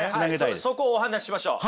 そこをお話ししましょう。